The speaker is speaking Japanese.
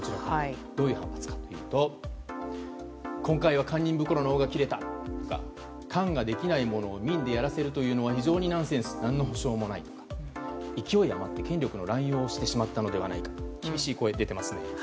どういう反発かというと今回は堪忍袋の緒が切れたとか官ができないものを民でやらせるというのは非常にナンセンス何の補償もないとか勢い余って権力の乱用をしてしまったのではないかと厳しい声が出ていますね。